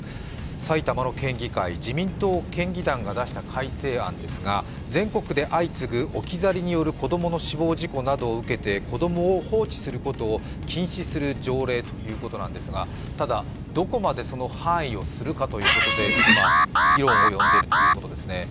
埼玉の県議会、自民党県議団が出した改正案ですが全国で相次ぐ置き去りによる子供の死亡事故などを受けて、子供を放置することを禁止する条例ということなんですが、ただ、どこまでその範囲をするかということで今、議論を呼んでいるということですね。